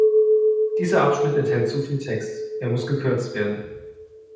Dieser Abschnitt enthält zu viel Text; er muss gekürzt werden.